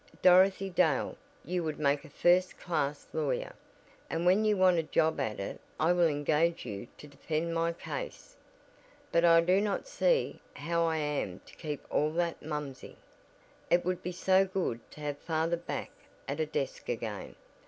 "Dorothy Dale, you would make a first class lawyer, and when you want a job at it I will engage you to defend my case. But I do not see how I am to keep all that momsey. It would be so good to have father back at a desk again.